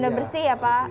iya ini sudah bersih ya pak